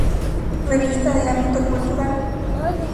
Revista de ámbito cultural.